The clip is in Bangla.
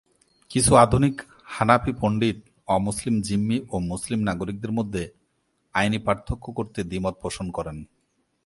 কিছু আধুনিক হানাফি পণ্ডিত অমুসলিম জিম্মি ও মুসলিম নাগরিকদের মধ্যে আইনি পার্থক্য করতে দ্বিমত পোষণ করেন।